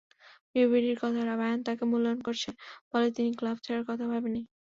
রিবেরির কথা, বায়ার্ন তাঁকে মূল্যায়ন করেছে বলেই তিনি ক্লাব ছাড়ার কথা ভাবেননি।